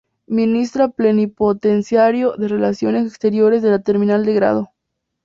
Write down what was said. Ministra Plenipotenciario de Relaciones Exteriores de la terminal de grado.